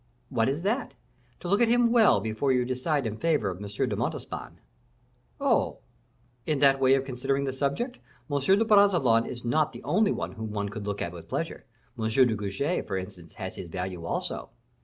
"What is that?" "To look at him well before you decide in favor of M. de Montespan." "Oh! in that way of considering the subject, M. de Bragelonne is not the only one whom one could look at with pleasure; M. de Guiche, for instance, has his value also."